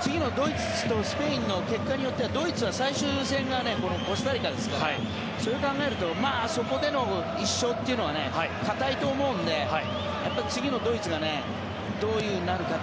次のドイツとスペインの結果によってはドイツは最終戦がこのコスタリカですからそれを考えるとそこでの１勝というのは堅いと思うので次のドイツがどうなるか。